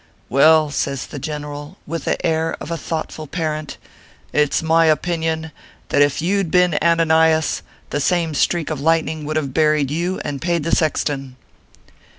" Well," says the general, with the air of a thought ful parent, " it s my opinion that if you d been Ana nias, the same streak of lightning would have buried you and paid the sexton."